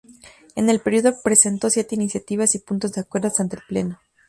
En el período presentó siete iniciativas y puntos de acuerdo ante el Pleno.